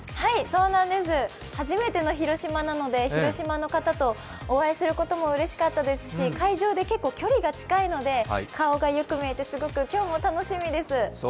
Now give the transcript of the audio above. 初めての広島なので、広島の方とお会いすることもうれしかったですし、会場で結構距離が近いので顔がよく見えて、今日も楽しみです